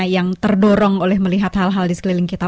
yang terdorong oleh melihat hal hal di sekeliling kita